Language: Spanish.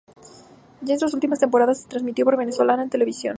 Ya en sus últimas temporadas se transmitió por Venezolana de Televisión.